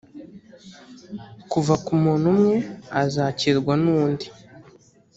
kuva ku muntu umwe azakirwa n’undi